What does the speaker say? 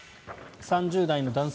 ３０代の男性